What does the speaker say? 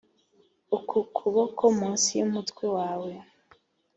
uku kuboko munsi yumutwe wawe!